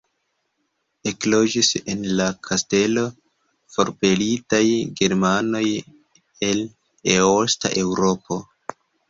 Ekloĝis en la kastelo forpelitaj germanoj el Eosta Eŭropo.